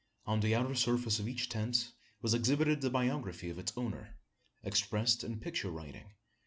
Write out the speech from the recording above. On the outer surface of each tent was exhibited the biography of its owner expressed in picture writing.